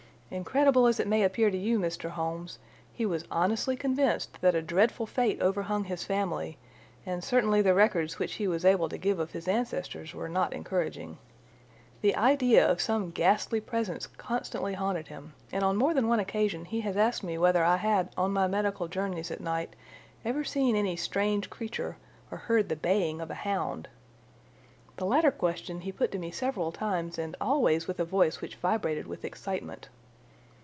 Incredible as it may appear to you, Mr. Holmes, he was honestly convinced that a dreadful fate overhung his family, and certainly the records which he was able to give of his ancestors were not encouraging. The idea of some ghastly presence constantly haunted him, and on more than one occasion he has asked me whether I had on my medical journeys at night ever seen any strange creature or heard the baying of a hound. The latter question he put to me several times, and always with a voice which vibrated with excitement.